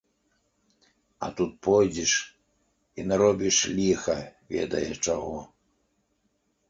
А тут пойдзеш і наробіш ліха ведае чаго.